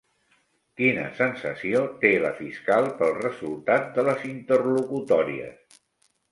Quina sensació té la fiscal pel resultat de les interlocutòries?